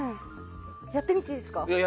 やってみていいですか。